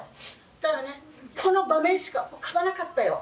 ただね、この場面しか分からなかったよ。